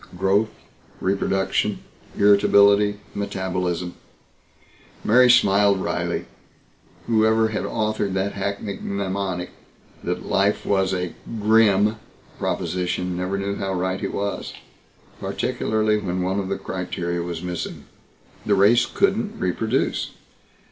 Growth, reproduction, irritability, metabolism Mary smiled wryly. Whoever had authored that hackneyed mnemonic that life was a "grim" proposition never knew how right he was, particularly when one of the criteria was missing. The race couldn't reproduce.